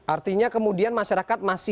artinya kemudian masyarakat